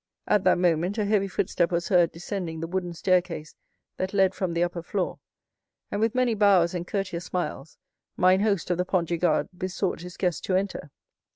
At that moment a heavy footstep was heard descending the wooden staircase that led from the upper floor, and, with many bows and courteous smiles, the host of the Pont du Gard besought his guest to enter.